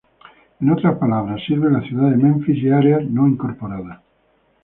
En otras palabras, sirve la Ciudad de Memphis y áreas no incorporadas.